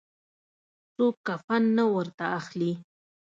څوک کفن نه ورته اخلي.